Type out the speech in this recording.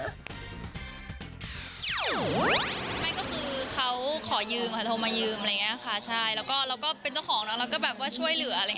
คือเขาขอยืมก็ถอดมายืมแล้วก็เป็นเจ้าของแล้วก็ช่วยเหลือ